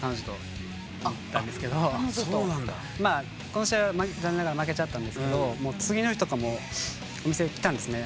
この試合は残念ながら負けちゃったんですけど次の日とかもお店来たんですね。